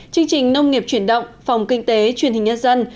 chương trình nông nghiệp chuyển động phòng kinh tế truyền hình nhân dân